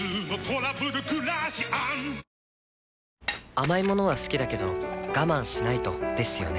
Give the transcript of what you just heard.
甘い物は好きだけど我慢しないとですよね